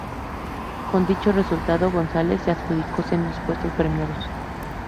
Con dichos resultados, González se adjudicó sendos puestos premiados.